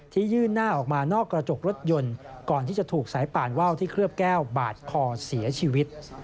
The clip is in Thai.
ที่ยื่นหน้าออกมานอกกระจกรถยนต์ก่อนที่จะถูกสายป่านว่าวที่เคลือบแก้วบาดคอเสียชีวิต